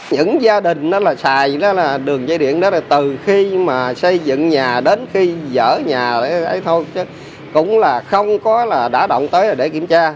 những gia đình đó là xài đường cháy điện đó là từ khi mà xây dựng nhà đến khi dở nhà đấy thôi cũng là không có là đã động tới để kiểm tra